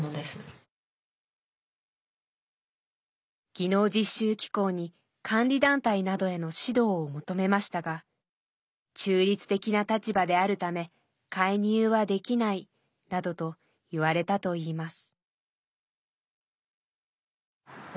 技能実習機構に監理団体などへの指導を求めましたが「中立的な立場であるため介入はできない」などと言われたといいます。